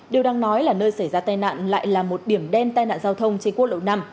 điều đang nói là nơi xảy ra tai nạn lại là một điểm đen tai nạn giao thông trên quốc lộ năm